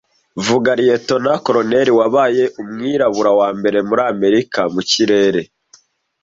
Vuga Liyetona Koloneli wabaye umwirabura wa mbere muri Amerika mu kirere